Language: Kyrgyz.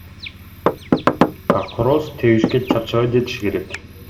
А короз тебишке чарчабай жетиши керек.